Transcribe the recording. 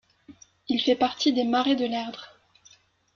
Il fait partie des marais de l'Erdre.